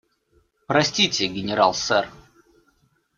Простите, генерал, сэр.